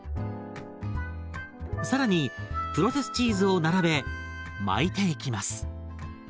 更にプロセスチーズを並べ巻いていきます。